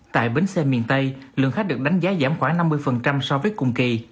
tại bến xe miền tây lượng khách được đánh giá giảm khoảng năm mươi so với cùng kỳ